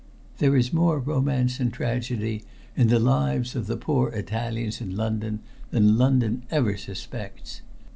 There is more romance and tragedy in the lives of the poor Italians in London than London ever suspects.